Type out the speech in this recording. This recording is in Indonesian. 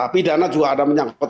pidana juga ada menyangkut